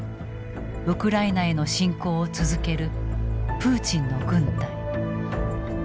ウクライナへの侵攻を続ける「プーチンの軍隊」。